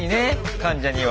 患者には。